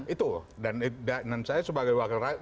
itu dan saya sebagai wakil rakyat